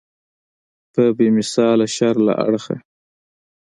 په بې مثاله شر له اړخه.